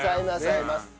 合います。